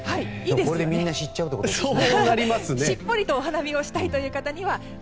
これでみんな知っちゃうってことですね。